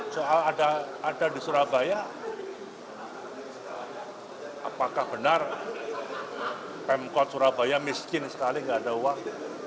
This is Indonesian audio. soal ada di surabaya apakah benar pemkot surabaya miskin sekali nggak ada uang